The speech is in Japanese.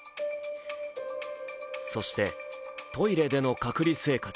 そしてトイレでの隔離生活。